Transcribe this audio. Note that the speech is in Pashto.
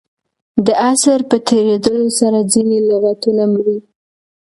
د عصر په تېرېدلو سره ځیني لغتونه مري.